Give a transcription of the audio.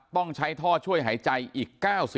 ต้องใช้ท่อช่วยหายใจอีก๙๐